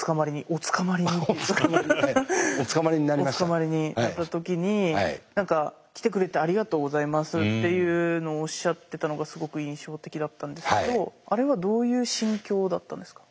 お捕まりになった時に何か「来てくれてありがとうございます」っていうのをおっしゃってたのがすごく印象的だったんですけどあれはどういう心境だったんですか？